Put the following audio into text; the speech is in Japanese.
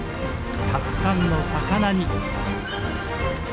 たくさんの魚に。